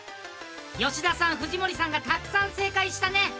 吉田さん、藤森さんがたくさん正解したね。